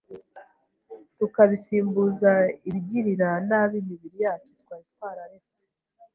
tukabisimbuza ibigirira nabi imibiri yacu twari twararetse.